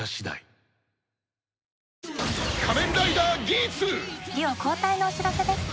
デュオ交代のお知らせです。